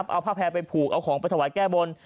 เอาผ้าแพร่ไปผูกเอาของไปถวายแก้บน